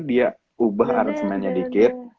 dia ubah aransemennya dikit